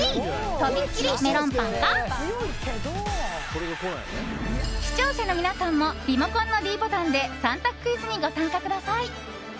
とびっきりメロンパンか視聴者の皆さんもリモコンのｄボタンで３択クイズにご参加ください。